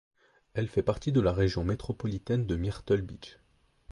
Elle fait partie de la région métropolitaine de Myrtle Beach.